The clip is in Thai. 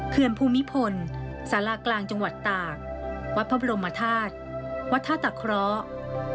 ภูมิพลศาลากลางจังหวัดตากวัดพระบรมธาตุวัดท่าตะเคราะห์